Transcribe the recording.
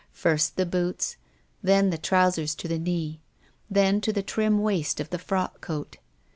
First, the boots, then the trousers to the knee, then to the trim waist of the frock coat.